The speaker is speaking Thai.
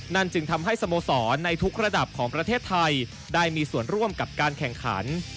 จึงทำให้สโมสรในทุกระดับของประเทศไทยได้มีส่วนร่วมกับการแข่งขัน